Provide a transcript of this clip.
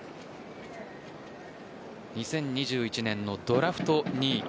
２０２１年のドラフト２位。